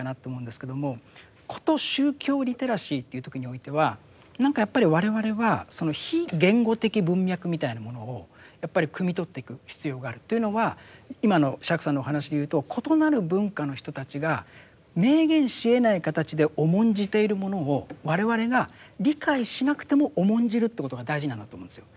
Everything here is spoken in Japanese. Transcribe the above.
こと宗教リテラシーと言う時においては何かやっぱり我々はその非言語的文脈みたいなものをやっぱりくみ取っていく必要があるというのは今の釈さんのお話で言うと異なる文化の人たちが明言しえない形で重んじているものを我々が理解しなくても重んじるということが大事なんだと思うんですよ。